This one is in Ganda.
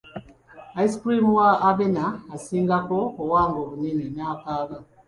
Ice cream wa Abena asingako owange obunene, n'akaaba.